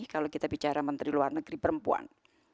kalau kita bicara menteri luar negeri perempuan